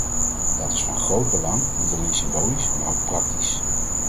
Dat is van groot belang, niet alleen symbolisch, maar ook praktisch.